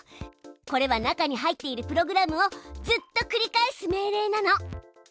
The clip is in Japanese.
これは中に入っているプログラムをずっとくり返す命令なの。